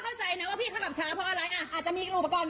มันใช่เวลาที่พี่จะแวะกินกล้วยทอดกันหรือเปล่าคะ